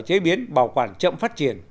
chế biến bảo quản chậm phát triển